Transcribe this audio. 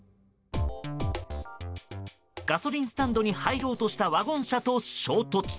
ガソリンスタンドに入ろうとしたワゴン車と衝突。